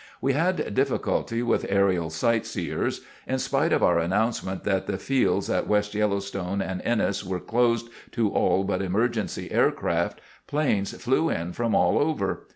"We had difficulty with aerial sightseers. In spite of our announcement that the fields at West Yellowstone and Ennis were closed to all but emergency aircraft, planes flew in from all over.